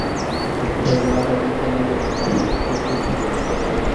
নোটে গোলাকার বৃত্তের মধ্যে বাংলাদেশের মানচিত্র ছিল।